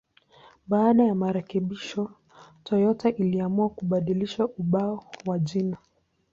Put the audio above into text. Baada ya marekebisho, Toyota iliamua kubadilisha ubao wa jina.